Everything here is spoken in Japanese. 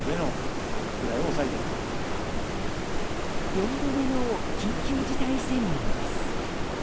４度目の緊急事態宣言です。